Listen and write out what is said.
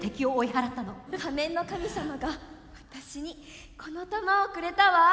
仮面の神様が私にこの玉をくれたわ。